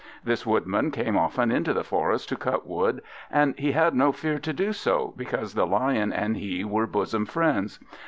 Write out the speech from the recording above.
This Woodman came often into the forest, to cut wood; and he had no fear to do so, because the Lion and he were bosom friends.